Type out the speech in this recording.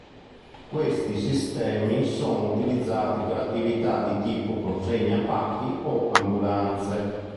Questi sistemi sono utilizzati per attività di tipo consegna pacchi o ambulanze.